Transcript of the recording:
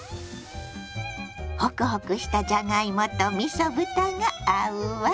ホクホクしたじゃがいもとみそ豚が合うわ。